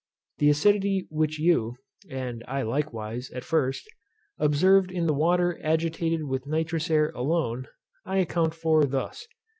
The acidity which you (and I likewise, at first) observed in the water agitated with nitrous air alone, I account for thus.